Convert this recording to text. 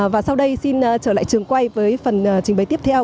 và sau đây xin trở lại trường quay với phần trình bày tiếp theo